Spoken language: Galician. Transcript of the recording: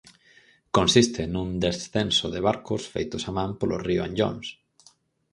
Consiste nun descenso de barcos feitos á man polo río Anllóns.